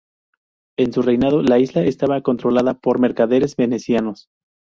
En su reinado, la isla estaba controlada por mercaderes venecianos.